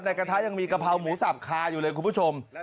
กระทะยังมีกะเพราหมูสับคาอยู่เลยคุณผู้ชม